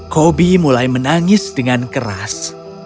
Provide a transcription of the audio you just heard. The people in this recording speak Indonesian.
kobi mulai menangis dengan keras